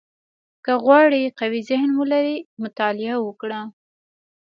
• که غواړې قوي ذهن ولرې، مطالعه وکړه.